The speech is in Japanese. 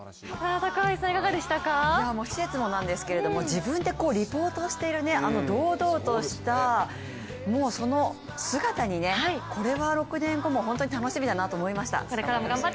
もう施設もなんですけど自分でリポートしているあの堂々とした、その姿にねこれは６年後も本当に楽しみだなと思いました。